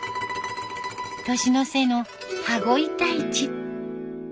年の瀬の羽子板市。